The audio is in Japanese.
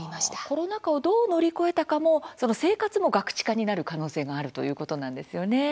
コロナ禍をどう乗り越えたかも、その生活もガクチカになる可能性があるということなんですよね。